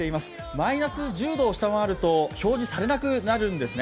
マイナス１０度を下回りますと表示されなくなるんですね。